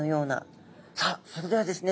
さあそれではですね